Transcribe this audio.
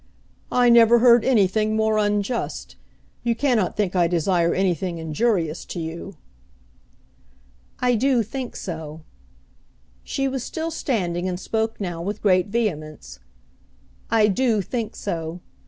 "I never heard anything more unjust. You cannot think I desire anything injurious to you." "I do think so." She was still standing and spoke now with great vehemence. "I do think so.